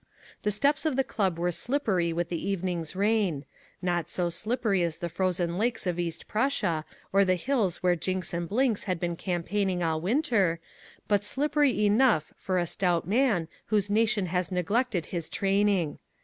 The steps of the club were slippery with the evening's rain, not so slippery as the frozen lakes of East Prussia or the hills where Jinks and Blinks had been campaigning all winter, but slippery enough for a stout man whose nation has neglected his training.